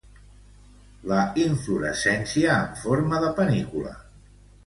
La inflorescència en forma de panícula.